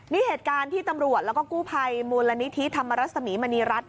นี่เหตุการณ์ที่ตำรวจแล้วก็กู้ภัยมูลนิธิธรรมรสมีมณีรัฐ